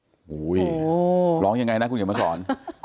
โอ้โฮร้องอย่างไรนะคุณอย่ามาสอน